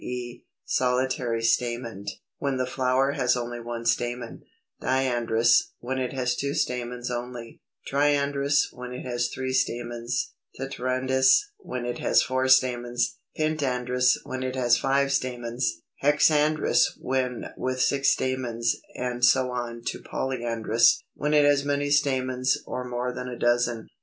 e. solitary stamened, when the flower has only one stamen, Diandrous, when it has two stamens only, Triandrous, when it has three stamens, Tetrandrous, when it has four stamens, Pentandrous, when it has five stamens, Hexandrous, when with six stamens, and so on to Polyandrous, when it has many stamens, or more than a dozen.